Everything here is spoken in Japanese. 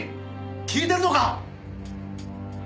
聞いてるのか？